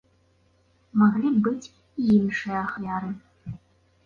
Маглі б быць і іншыя ахвяры.